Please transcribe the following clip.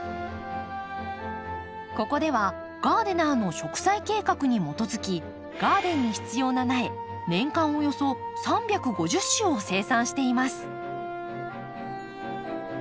ここではガーデナーの植栽計画に基づきガーデンに必要な苗年間およそ３５０種を生産しています。